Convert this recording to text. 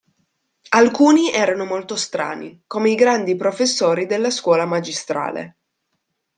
Alcuni erano molto strani, come i grandi professori della Scuola Magistrale.